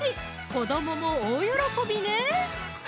子どもも大喜びね！